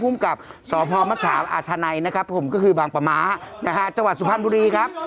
ผู้กับสพมักฉาวอาชาไนบางประมาศจสุภัณฑ์บุรีครับ